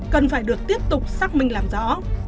cần phải được tiếp tục xác minh làm rõ